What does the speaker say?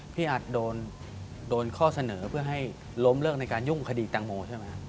พี่อัดโดนข้อเสนอเพื่อให้ล้มเลิกในการยุ่งคดีแตงโมใช่ไหมครับ